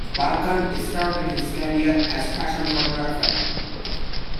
Barkan started his career as a fashion photographer.